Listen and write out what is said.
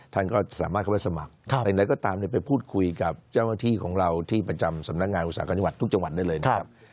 ท่านก็สามารถเข้าไปสมัครไหนก็ตามไปพูดคุยกับเจ้าหน้าที่ของเราที่ประจำสำนักงานอุตสาหกรรมจังหวัดทุกจังหวัดได้เลยนะครับ